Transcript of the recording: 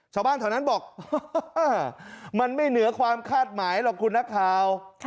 ชาวบ้านแถวนั้นบอกมันไม่เหนือความคาดหมายหรอกคุณนักข่าว